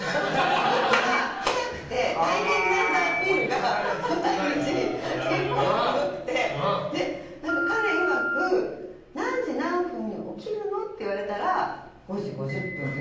僕は早くて大変なんだアピールが毎日結構すごくて彼いわく、何時何分に起きるの？って言われたら５時５０分って。